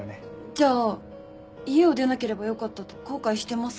じゃあ家を出なければよかったと後悔してますか？